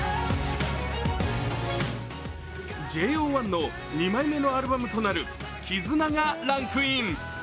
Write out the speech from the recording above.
ＪＯ１の２枚目のアルバムとなる「ＫＩＺＵＮＡ」がランクイン。